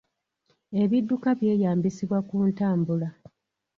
Ebidduka byeyambisibwa ku ntambula.